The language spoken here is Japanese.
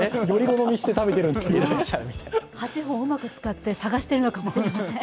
８本うまく使って探しているのかもしれません。